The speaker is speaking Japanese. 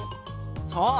そう。